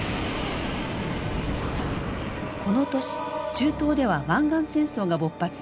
この年中東では湾岸戦争が勃発。